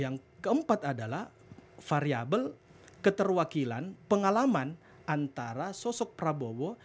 yang keempat adalah variable keterwakilan pengalaman antara sosok prabowo